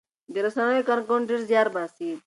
د رسنیو کارکوونکي ډېر زیار باسي.